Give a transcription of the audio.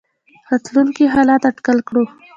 راتلونکي حالات اټکل کړو.